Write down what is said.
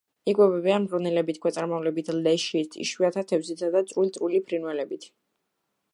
იკვებებიან მღრღნელებით, ქვეწარმავლებით, ლეშით, იშვიათად თევზითა და წვრილ-წვრილი ფრინველებით.